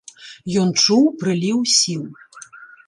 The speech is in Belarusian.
Ён чуў прыліў сіл.